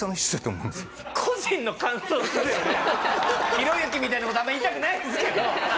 ひろゆきみたいな事あんま言いたくないですけど。